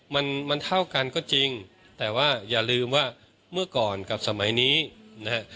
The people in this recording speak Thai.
มันมันเท่ากันก็จริงแต่ว่าอย่าลืมว่าเมื่อก่อนกับสมัยนี้นะฮะ